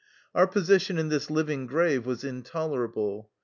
Our position in this living grave was intol erable.